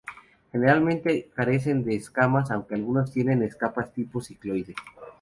Generalmente carecen de escamas, aunque algunos tienen escamas tipo cicloide.